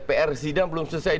pr zidane belum selesai